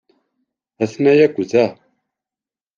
Ha-ten-a akk da.